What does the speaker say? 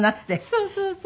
そうそうそう。